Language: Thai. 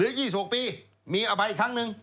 ๒๖ปีมีอภัยอีกครั้งหนึ่ง